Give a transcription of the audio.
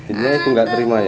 ibunya itu nggak terima ya